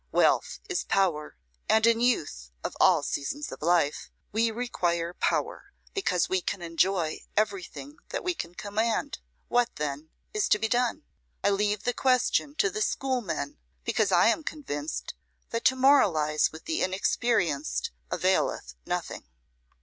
Wealth is power; and in youth, of all seasons of life, we require power, because we can enjoy everything that we can command. What, then, is to be done? I leave the question to the schoolmen, because I am convinced that to moralise with the inexperienced availeth nothing.